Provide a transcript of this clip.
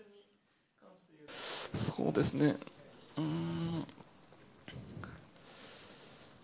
そうですね、うーん。